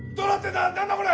何だこれ！？